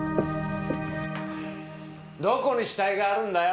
どこに死体があるんだよ！？